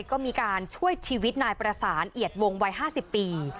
ก็มีการช่วยชีวิตนายประสานเอียดวงวัย๕๐ปี